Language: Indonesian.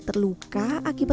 tidak ada yang kaya